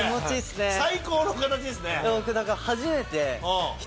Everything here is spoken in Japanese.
最高の形ですね。